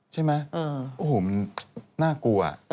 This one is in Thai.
ใช่ไหมน่ากลัว